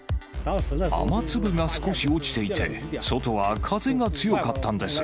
雨粒が少し落ちていて、外は風が強かったんです。